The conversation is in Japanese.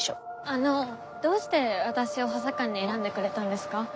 あのどうして私を補佐官に選んでくれたんですか？